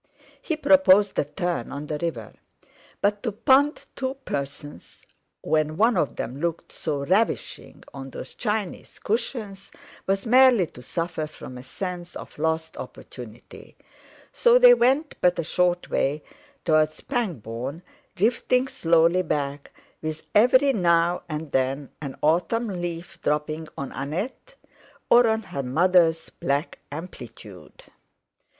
He proposed a turn on the river. But to punt two persons when one of them looked so ravishing on those Chinese cushions was merely to suffer from a sense of lost opportunity; so they went but a short way towards Pangbourne, drifting slowly back, with every now and then an autumn leaf dropping on Annette or on her mother's black amplitude.